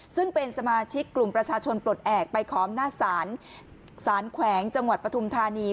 ซึ่งเป็นสมาชิกกลุ่มประชาชนปลดแอบไปขออำนาจศาลแขวงจังหวัดปฐุมธานี